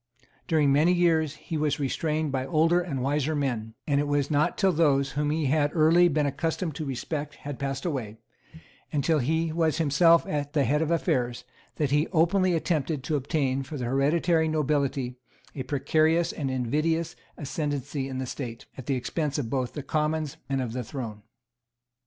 During many years he was restrained by older and wiser men; and it was not till those whom he had early been accustomed to respect had passed away, and till he was himself at the head of affairs, that he openly attempted to obtain for the hereditary nobility a precarious and invidious ascendency in the State, at the expense both of the Commons and of the Throne.